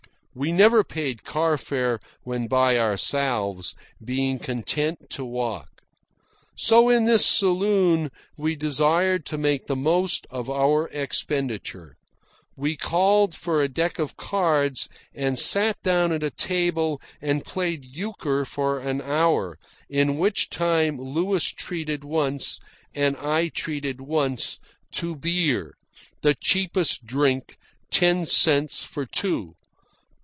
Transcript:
(We never paid car fare when by ourselves, being content to walk.) So, in this saloon, we desired to make the most of our expenditure. We called for a deck of cards and sat down at a table and played euchre for an hour, in which time Louis treated once, and I treated once, to beer the cheapest drink, ten cents for two.